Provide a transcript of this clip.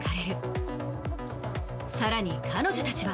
さらに彼女たちは。